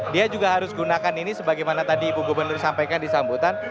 dia juga harus gunakan ini sebagaimana tadi ibu gubernur sampaikan di sambutan